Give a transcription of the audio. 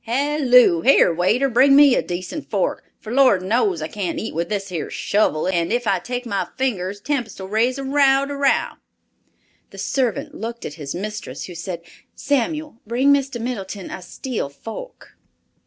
Halloo! Here waiter, bring me a decent fork, for Lord knows I can't eat with this here shovel and if I take my fingers Tempest'll raise a row de dow." The servant looked at his mistress, who said, "Samuel, bring Mr. Middleton a steel fork."